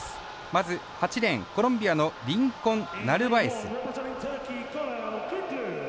まず、８レーンコロンビアのリンコンナルバエス。